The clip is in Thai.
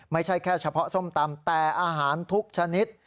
ไม่ใช่แค่เฉพาะส้มตำแต่อาหารทุกชนิด